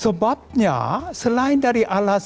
sebabnya selain dari alasan yang lebih baik